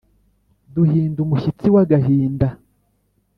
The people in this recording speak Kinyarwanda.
duhinda umushyitsi w’agahinda